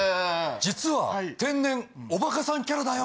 実は天然おバカさんキャラだよ。